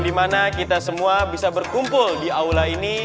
dimana kita semua bisa berkumpul di aula ini